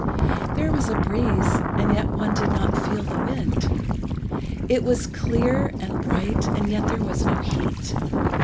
There was a breeze, and yet one did not feel the wind. It was quite clear and bright, and yet there was no heat.